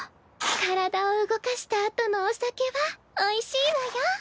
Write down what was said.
体を動かしたあとのお酒はおいしいわよ。